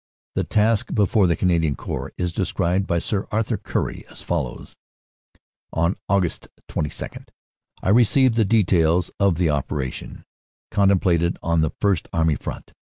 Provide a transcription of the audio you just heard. The task before the Canadian Corps is described by Sir Arthur Currie as follows : "On Aug. 22 I received the details of the operation contemplated on the First Army Front.